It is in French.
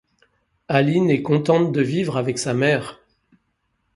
Aline est contente de vivre avec sa mère.